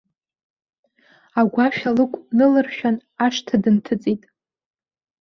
Агәашә алыкә нылыршәан, ашҭа дынҭыҵит.